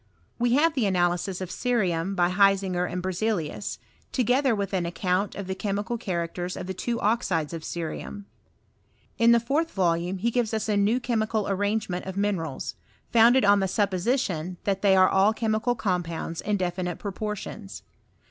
We have the analysis of cerium by Hisinger and Berzelius, together with an account of the chemical characters of the two oxides of cerimn. In the fourth volume be gives us a new chemical ar rajigement of minerals, founded on the suppositioa that they are all chemical compounds in definit* proportions.